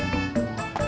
gak ada de